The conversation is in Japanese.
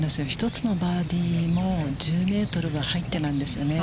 １つのバーディーも１０メートルが入ってないんですよね。